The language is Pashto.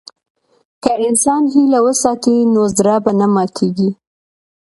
که انسان هیله وساتي، نو زړه به نه ماتيږي.